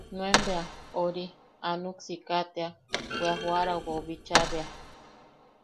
Nuen bea... ori... a nuksika tea bwe a joarawau bicha bea.